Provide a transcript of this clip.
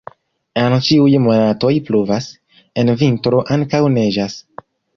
En ĉiuj monatoj pluvas, en vintro ankaŭ neĝas.